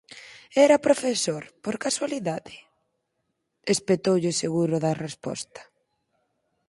_¿Era profesor, por casualidade? _espetoulle seguro da resposta.